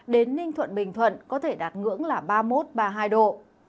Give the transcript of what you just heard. đến ninh thuận bình thuận có thể đạt ngưỡng là ba mươi một ba mươi hai độ